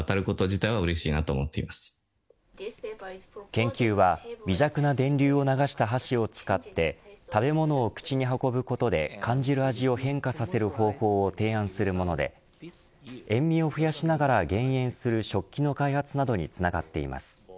研究は微弱な電流を流した箸を使って食べ物を口に運ぶことで感じる味を変化させる方法を提案するもので塩味を増やしながら減塩する食器の開発などにつながっています。